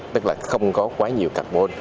tức là không có quá nhiều carbon